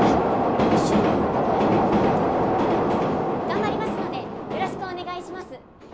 頑張りますのでよろしくお願いします！